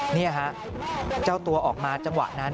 นี่ฮะเจ้าตัวออกมาจังหวะนั้น